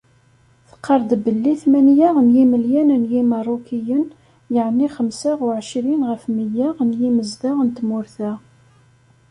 Teqqar-d belli tmanya n yimelyan n Yimerrukiyen, yeɛni xemsa u εecrin ɣef mya n yimezdaɣ n tmurt-a.